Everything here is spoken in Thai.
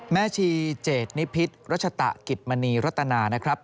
แม่ชีเจดนิพิษรัชตะกิจมณีรัตนานะครับ